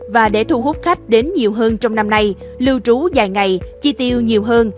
và để thu hút khách đến nhiều hơn trong năm nay lưu trú dài ngày chi tiêu nhiều hơn